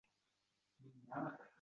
Shamollarga aytdim men xasta